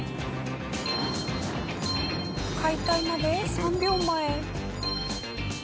解体まで３秒前。